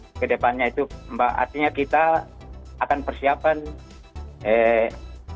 ya saya kira kedepannya itu mbak artinya kita akan persiapan untuk menghasilkan perjalanan